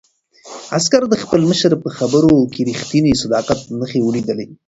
عسکر د خپل مشر په خبرو کې د رښتیني صداقت نښې ولیدلې.